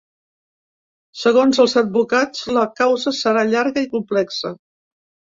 Segons els advocats la causa serà llarga i complexa.